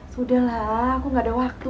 sudahlah aku gak ada waktu